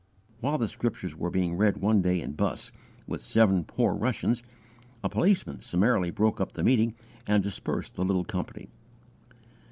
While the Scriptures were being read one day in Buss, with seven poor Russians, a policeman summarily broke up the meeting and dispersed the little company.